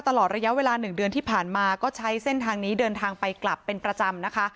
ตลอดระยะเวลา๑เดือนที่ผ่านมาก็ใช้เส้นทางนี้เดินทางไปกลับเป็นประจำนะคะ